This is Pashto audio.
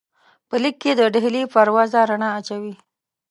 په لیک کې د ډهلي پر وضع رڼا اچوي.